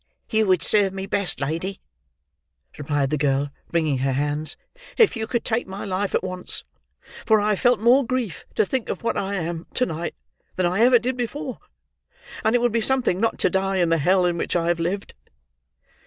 "You would serve me best, lady," replied the girl, wringing her hands, "if you could take my life at once; for I have felt more grief to think of what I am, to night, than I ever did before, and it would be something not to die in the hell in which I have lived.